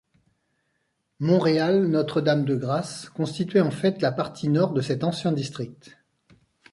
Montréal—Notre-Dame-de-Grâce constituait en fait la partie nord de cet ancien district.